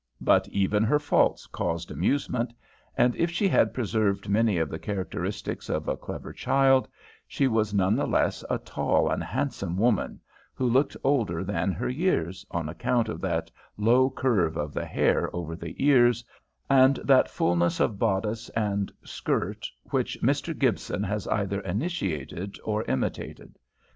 But even her faults caused amusement, and if she had preserved many of the characteristics of a clever child, she was none the less a tall and handsome woman, who looked older than her years on account of that low curve of the hair over the ears, and that fulness of bodice and skirt which Mr. Gibson has either initiated or imitated.